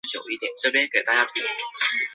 似提姆龙的修长骨头显示它们的轻盈的动物。